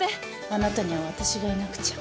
あなたには私がいなくちゃ。